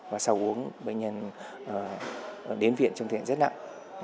và sau uống bệnh nhân đến viện trong thời rất nặng